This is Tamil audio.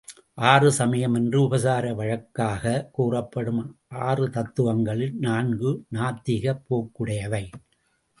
ஆறு சமயம் என்று உபசார வழக்காகக் கூறப்படும் ஆறு தத்துவங்களில் நான்கு, நாத்திகப் போக்குடையவை.